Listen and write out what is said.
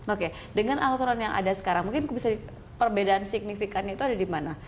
oke dengan alturan yang ada sekarang mungkin bisa perbedaan signifikan itu ada di mana